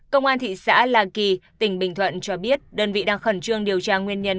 công an thị xã la kỳ tỉnh bình thuận cho biết đơn vị đang khẩn trương điều tra nguyên nhân